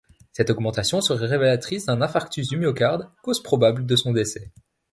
Cette augmentation serait révélatrice d'un infarctus du myocarde, cause probable de son décès.